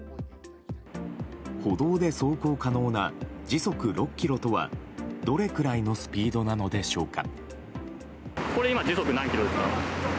歩道で走行可能な時速６キロとはどれくらいのスピードなのでしょうか。